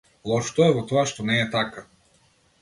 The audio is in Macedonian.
Лошото е во тоа што не е така.